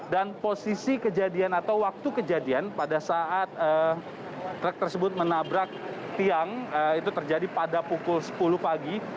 dan posisi kejadian atau waktu kejadian pada saat trek tersebut menabrak tiang itu terjadi pada pukul sepuluh pagi